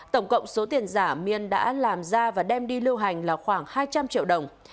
tổng cộng số tiền giả miên đã làm ra và đem đi lưu hành là khoảng hai trăm linh triệu đồng